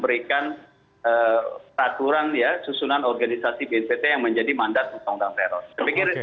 terus kita harus membuat peraturan ya susunan organisasi bnpt yang menjadi mandat untuk mengundang teror